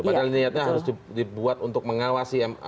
padahal niatnya harus dibuat untuk mengawasi ma